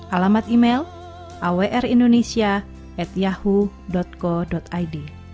alamat email awrindonesia at yahoo co id